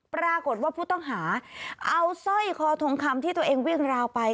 ปรากฏว่าผู้ต้องหาเอาสร้อยคอทองคำที่ตัวเองวิ่งราวไป